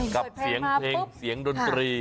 กับเสียงเพลงเสียงดนตรี